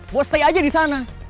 buat stay aja disana